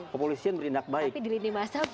kepolisian berindak baik tapi di lini masyaf